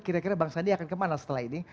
kira kira bang sandi akan kemana setelah ini